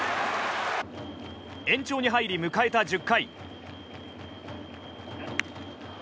延長に入り、迎えた１０回。